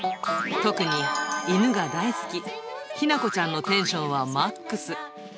特に犬が大好き、日向子ちゃんのテンションはマックス。